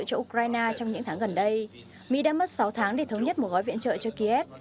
cho ukraine trong những tháng gần đây mỹ đã mất sáu tháng để thống nhất một gói viện trợ cho kiev